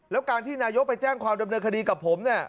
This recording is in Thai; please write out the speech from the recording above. แล้วการที่นายกไปแจ้งความดำเนินคดีกับผมเนี่ย